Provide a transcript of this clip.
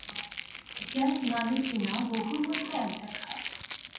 জ্ঞান মানে কিনা, বহুর মধ্যে এক দেখা।